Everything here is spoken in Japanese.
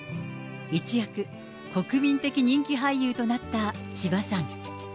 一躍、国民的人気俳優となった千葉さん。